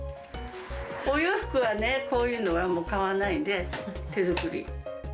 お洋服はね、こういうのはもう買わないで、手作り。